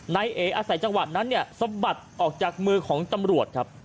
นายเออาศัยจังหวัดนั้นเนี่ยสะบัดออกจากมือของตำรวจครับ